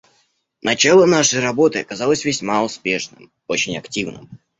Начало нашей работы оказалось весьма успешным, очень активным.